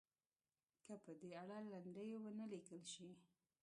که په دې اړه لنډۍ ونه لیکل شي.